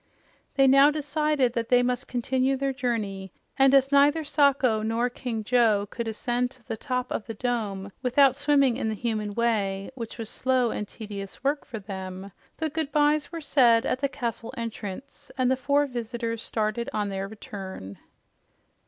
They now decided that they must continue their journey, and as neither Sacho nor King Joe could ascend to the top of the dome without swimming in the human way, which was slow and tedious work for them, the goodbyes were said at the castle entrance, and the four visitors started on their return.